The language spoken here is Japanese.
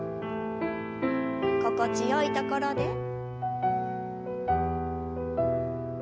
心地よいところで。